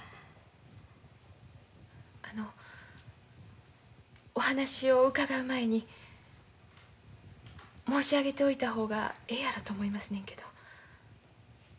あのお話を伺う前に申し上げておいた方がええやろと思いますねんけど。